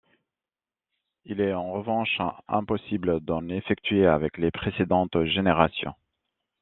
Il est en revanche impossible d'en effectuer avec les précédentes générations.